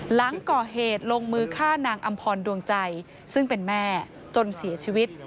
หลังก่อเหตุลงมือฆ่านางอำพรดวงใจซึ่งเป็นแม่จนเสียชีวิต